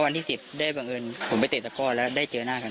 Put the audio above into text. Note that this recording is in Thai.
ก็วันที่สิฟต์ได้บังอื่นผมไปติดสะกดแล้วได้เจอน่ากัน